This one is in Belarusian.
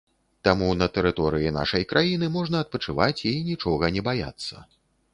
Таму на тэрыторыі нашай краіны можна адпачываць і нічога не баяцца.